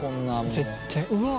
絶対うわっ。